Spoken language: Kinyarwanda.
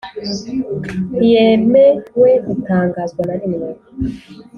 Ntiyemewe gutangazwa narimwe.